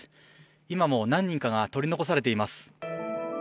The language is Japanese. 今も何人かが取り残されています。